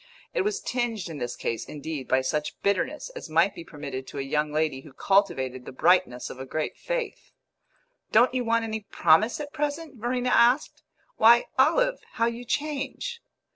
It was tinged in this case, indeed, by such bitterness as might be permitted to a young lady who cultivated the brightness of a great faith. "Don't you want any promise at present?" Verena asked. "Why, Olive, how you change!"